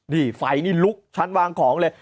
นี่ไฟนี่ลุกชั้นวางของเลย